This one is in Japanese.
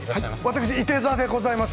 私、いて座でございます。